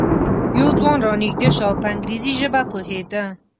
یو ځوان را نږدې شو او په انګریزي ژبه پوهېده.